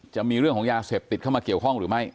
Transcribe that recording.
จะมีเรื่องของยาเสพติดเข้ามาเกี่ยวข้องหรือไม่